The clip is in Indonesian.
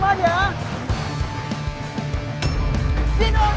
woy turun loh